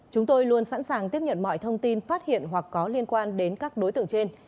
chúng tôi luôn sẵn sàng tiếp nhận mọi thông tin phát hiện hoặc có liên quan đến các đối tượng trên